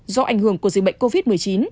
do ảnh hưởng của dịch bệnh covid một mươi chín